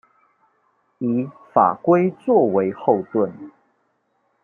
以法規作為後盾